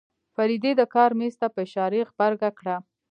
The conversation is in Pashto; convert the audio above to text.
فريدې د کار مېز ته په اشاره غبرګه کړه.